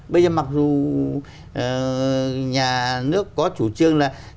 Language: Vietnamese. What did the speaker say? bây giờ mặc dù nhà nước có chủ trương là